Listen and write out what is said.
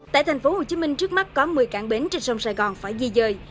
tại tp hcm trước mắt có một mươi cảng bến trên sông sài gòn phải di dời